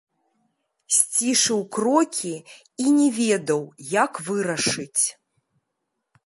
Сцішыў крокі і не ведаў, як вырашыць.